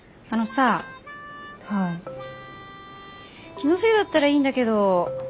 気のせいだったらいいんだけど。